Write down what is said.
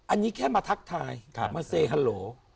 อันนี้แค่มาทักทายมาเซฮัลโหล